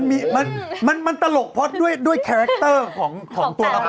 มันมีมันตลกเพราะด้วยด้วยคาแรคเตอร์ของตัวละคร